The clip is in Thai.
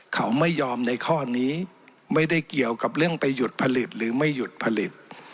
เขาไม่ยอมในข้อนี้ไม่ได้เกี่ยวกับเรื่องไปหยุดผลิตหรือไม่หยุดผลิต